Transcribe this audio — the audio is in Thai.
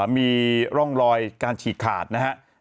มีร่องรอยการฉีกขาดนะครับ